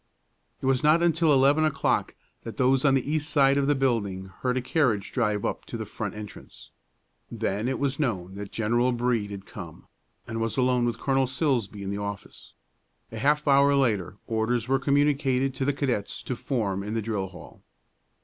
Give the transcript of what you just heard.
It was not until eleven o'clock that those on the east side of the building heard a carriage drive up to the front entrance. Then it was known that General Brede had come, and was alone with Colonel Silsbee in the office. A half hour later orders were communicated to the cadets to form in the drill hall.